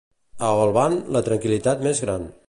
A Olvan, la tranquil·litat més gran.